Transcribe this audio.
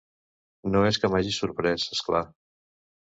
No és que m'hagi sorprès, és clar.